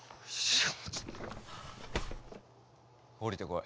降りてこい。